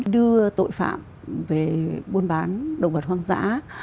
đưa tội phạm về buôn bán động vật hoang dã